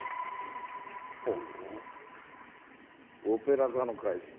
ほう『オペラ座の怪人』か。